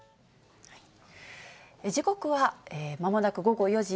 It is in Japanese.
時刻はまもなく午後４時４５